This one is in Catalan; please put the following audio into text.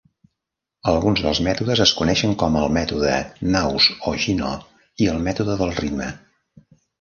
Alguns dels mètodes es coneixen com al mètode Knaus-Ogino i el mètode del ritme.